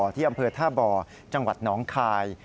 ที่อำเภอท่าบ่อจังหวัดน้องคาย